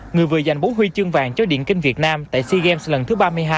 người vừa giành bốn huy chương vàng cho điền kinh việt nam tại sea games lần thứ ba mươi hai